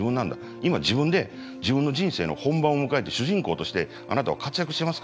今自分で自分の人生の本番を迎えて主人公としてあなたは活躍してますか？